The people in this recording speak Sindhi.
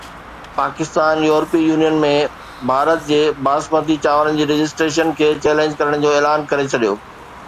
پاڪستان يورپي يونين ۾ ڀارت جي باسمتي چانورن جي رجسٽريشن کي چئلينج ڪرڻ جو اعلان ڪري ڇڏيو